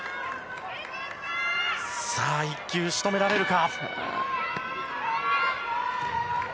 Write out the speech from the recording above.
さあ、１球仕留められるか。